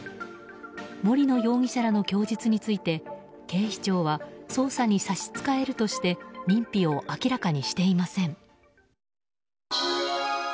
森野容疑者らの供述について警視庁は捜査に差し支えるとして認否を明らかにしていません。